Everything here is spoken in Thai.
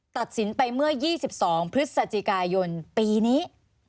ตัดสินไปเมื่อ๒๒พฤศจิกายนปีนี้